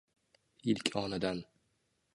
Ilk onidan